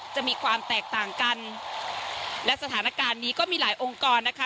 จะมีความแตกต่างกันและสถานการณ์นี้ก็มีหลายองค์กรนะคะ